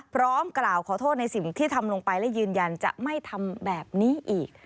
พร้อมกล่าวขอโทษในสิ่งที่ทำลงไปและยืนยันจะไม่ทำแบบนี้อีก